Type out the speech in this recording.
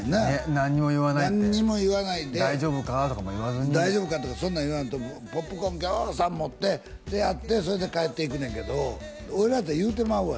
何にも言わないで何にも言わないで「大丈夫か？」とかも言わずに「大丈夫か？」とかそんなん言わんとポップコーンぎょうさん持ってで会ってそれで帰っていくねんけど俺だったら言うてまうわ